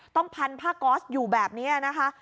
ต้องพันธุ์พระกอสอยู่แบบนี้นะคะ